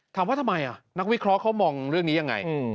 ถามว่าทำไมนักวิเคราะห์เขามองเรื่องนี้ยังไง